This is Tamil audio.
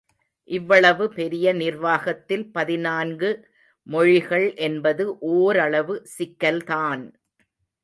இவ்வளவு பெரிய நிர்வாகத்தில் பதினான்கு மொழிகள் என்பது ஓரளவு சிக்கல் தான்!